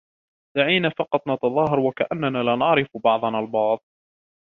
دعينا فقط نتظاهر وكأننا لا نعرف بعضنا البعض.